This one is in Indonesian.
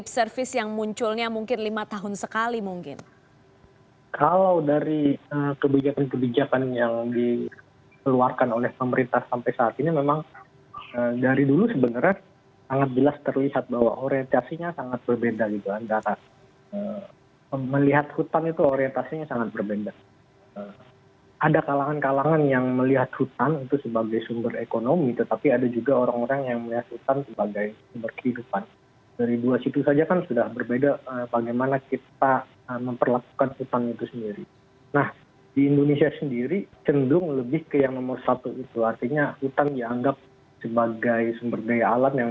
sehingga pembangunan juga harus memikirkan bagaimana dampaknya sepuluh tiga puluh lima puluh tahun yang akan datang